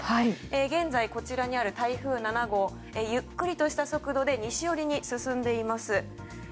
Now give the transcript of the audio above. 現在、こちらにある台風７号ゆっくりとした速度で西寄りに進んでいます。